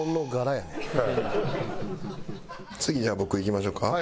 次じゃあ僕いきましょうか。